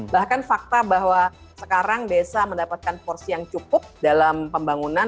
bahkan fakta bahwa sekarang desa mendapatkan porsi yang cukup dalam pembangunan